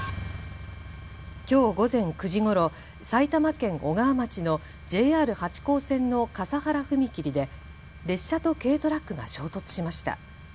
きょう午前９時ごろ、埼玉県小川町のＪＲ八高線の笠原踏切で列車と軽トラックが衝突しました。